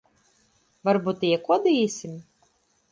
Varbūt iekodīsim?